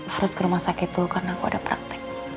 harus ke rumah sakit dulu karena aku ada praktek